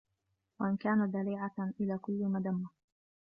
وَإِنْ كَانَ ذَرِيعَةً إلَى كُلِّ مَذَمَّةٍ